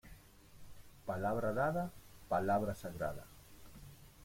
Palabra dada, palabra sagrada.